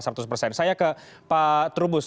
saya ke pak trubus